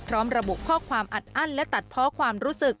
พร้อมระบุข้อความอัดอั้นและตัดเพาะความรู้สึก